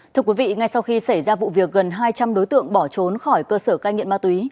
thưa quý vị ngay sau khi xảy ra vụ việc gần hai trăm linh đối tượng bỏ trốn khỏi cơ sở cai nghiện ma túy